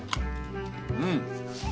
うん。